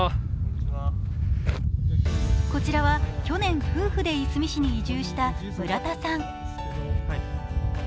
こちらは去年、夫婦でいすみ市に移住した村田さん。